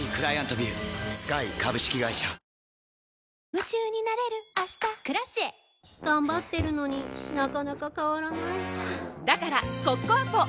夢中になれる明日「Ｋｒａｃｉｅ」頑張ってるのになかなか変わらないはぁだからコッコアポ！